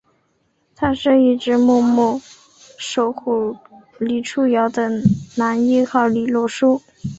他是一直默默守护黎初遥的男一号李洛书！